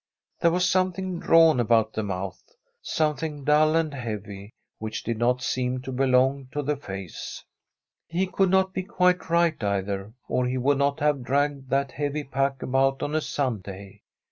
There was something drawn about the mouth, something Tbi STORY rf a COUNTRY HOUSE dull and heavy, which did not seem to belong to the face. He could not be quite right, either, or he would not have dragged that heavy pack about on a Sunday.